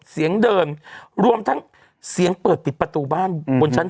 เสียงเดินรวมทั้งเสียงเปิดปิดประตูบ้านบนชั้น